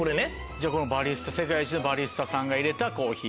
じゃあこの世界一のバリスタさんが入れたコーヒー。